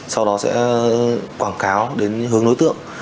sau đó sẽ quảng cáo đến hướng đối tượng